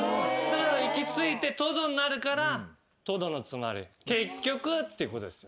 行き着いてトドになるから「とどのつまり」「結局」っていうことです。